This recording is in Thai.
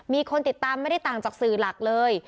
มีคนติดตามไม่ได้ต่างจากสื่อหลักเลย